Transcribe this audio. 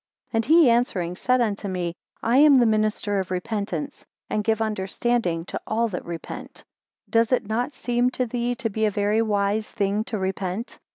14 And he answering said unto me, I am the minister of repentance, and give understanding to all that repent. Does it not seem to thee to be a very wise thing to repent?